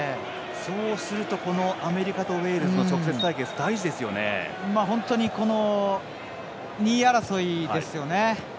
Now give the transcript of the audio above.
そうするとアメリカとウェールズの２位争いですよね。